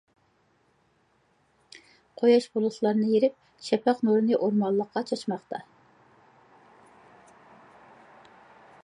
قۇياش بۇلۇتلارنى يېرىپ شەپەق نۇرىنى ئورمانلىققا چاچماقتا ئىدى.